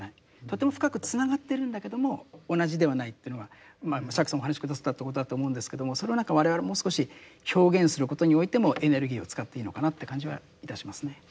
とても深くつながってるんだけども同じではないというのが釈さんもお話し下さったってことだと思うんですけどもそれを何か我々もう少し表現することにおいてもエネルギーを使っていいのかなって感じはいたしますね。